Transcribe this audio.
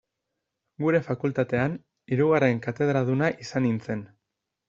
Gure fakultatean, hirugarren katedraduna izan nintzen.